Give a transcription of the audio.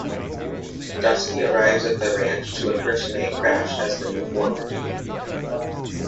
Dusty arrives at the ranch to impersonate Crash as the new foreman.